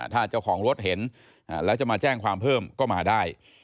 ถ้าเจ้าของรถเห็นแล้วจะมาแจ้งความเพิ่มก็มาได้